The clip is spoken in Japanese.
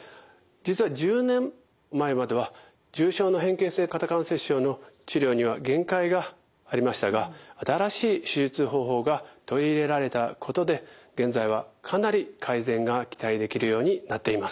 実は１０年前までは重症の変形性肩関節症の治療には限界がありましたが新しい手術方法が取り入れられたことで現在はかなり改善が期待できるようになっています。